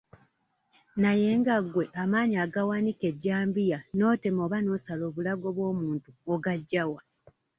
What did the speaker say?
Naye nga gwe amaanyi agawanika ejjambiya n'otema oba n'osala obulago bw'omuntu ogaggya wa?